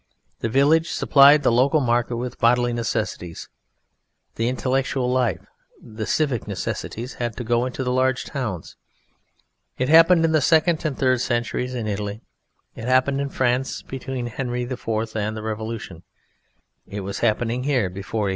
The village supplied the local market with bodily necessaries; the intellectual life, the civic necessities had to go into the large towns. It happened in the second and third centuries in Italy; it happened in France between Henri IV and the Revolution; it was happening here before 1830.